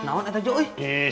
kenapa gak ada juga ini